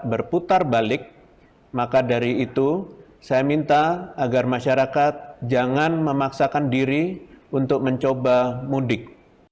berputar balik maka dari itu saya minta agar masyarakat jangan memaksakan diri untuk mencoba mudik